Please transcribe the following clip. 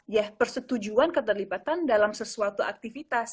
ya persetujuan keterlibatan dalam sesuatu aktivitas